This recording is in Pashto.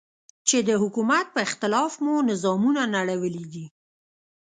چې د حکومت په اختلاف مو نظامونه نړولي دي.